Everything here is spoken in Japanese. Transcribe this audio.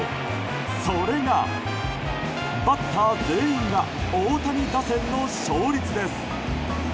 それがバッター全員が大谷打線の勝率です。